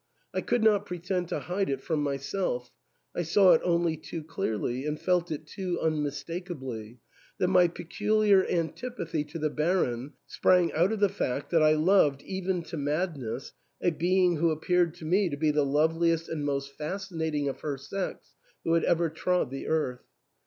I could not pretend to hide from myself — I saw it only too clearly, and felt it too unmistakably — that my peculiar antipathy to the Baron sprang out of the fact that I loved, even to madness, a being who appeared to me to be the loveliest and most fascinating of her sex who had ever trod the earth.